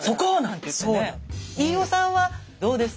飯尾さんはどうですか？